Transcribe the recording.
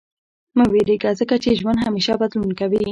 • مه وېرېږه، ځکه چې ژوند همېشه بدلون کوي.